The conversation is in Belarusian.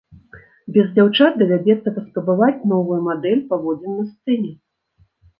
Без дзяўчат давядзецца паспрабаваць новую мадэль паводзін на сцэне!